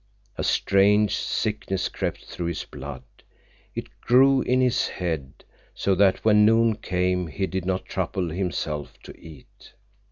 A strange sickness crept through his blood; it grew in his head, so that when noon came, he did not trouble himself to eat.